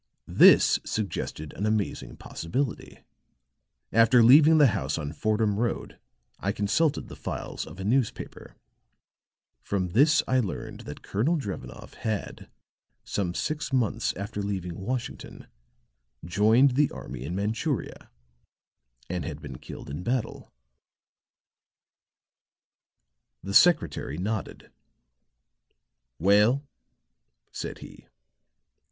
"This suggested an amazing possibility. After leaving the house on Fordham Road I consulted the files of a newspaper; from this I learned that Colonel Drevenoff had, some six months after leaving Washington, joined the army in Manchuria and had been killed in battle." The secretary nodded. "Well?" said he.